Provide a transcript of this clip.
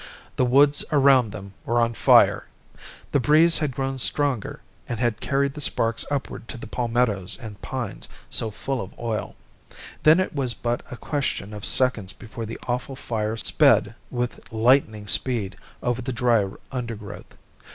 The woods around them were on fire. The breeze had grown stronger, and had carried the sparks upward to the palmettoes and pines, so full of oil. Then it was but a question of seconds before the awful fire sped with lightning speed over the dry undergrowth.